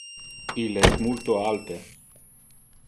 Ille es multo alte.